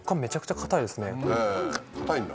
硬いんだ。